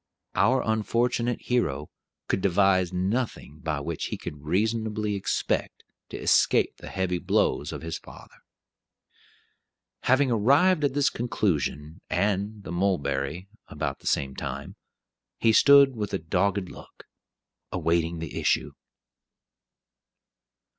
Our unfortunate hero could devise nothing by which he could reasonably expect to escape the heavy blows of his father. Having arrived at this conclusion and the "mulberry" about the same time, he stood with a dogged look, awaiting the issue.